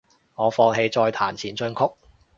我放棄再彈前進曲